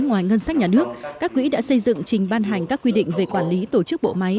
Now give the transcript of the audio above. ngoài ngân sách nhà nước các quỹ đã xây dựng trình ban hành các quy định về quản lý tổ chức bộ máy